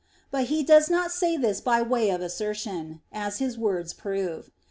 But he does not say this by way of assertion; as his words prove.